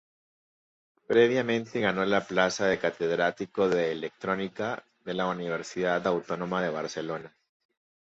Previamente ganó la plaza de Catedrático de Electrónica de la Universidad Autónoma de Barcelona.